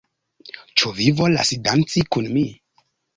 Ĉu vi volas danci kun mi?